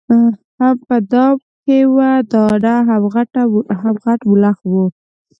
هم په دام کي وه دانه هم غټ ملخ وو